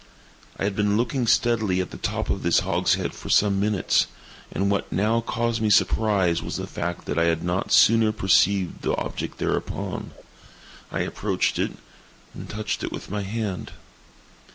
I had been looking steadily at the top of this hogshead for some minutes, and what now caused me surprise was the fact that I had not sooner perceived the object thereupon. I approached it, and touched it with my hand.